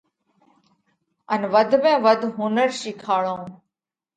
ان وڌ ۾ وڌ هُنر شِيکاڙون۔